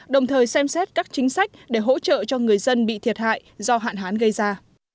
đồng thời xem xét các chính sách để hỗ trợ cho người dân bị thiệt hại do hạn hán gây ra